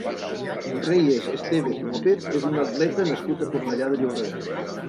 Reyes Estévez López és un atleta nascut a Cornellà de Llobregat.